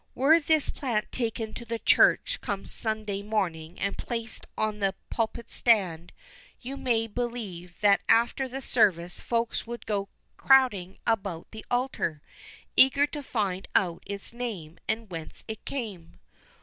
Were this plant taken to the church some Sunday morning and placed on the pulpit stand, you may believe that after the service Folks would go crowding about the altar, eager to find out its name and whence it came.